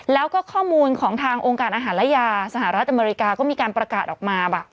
แล้วก็ข้อมูลของทางองค์การอาหารและยาสหรัฐอเมริกาก็มีการประกาศออกมา